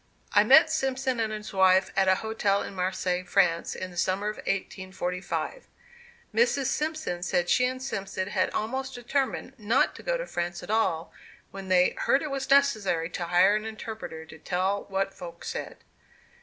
I met Simpson and his wife at a hotel in Marseilles, France, in the summer of 1845. Mrs. Simpson said she and Simpson had almost determined not to go to France at all when they "heard it was necessary to hire an interpreter to tell what folks said."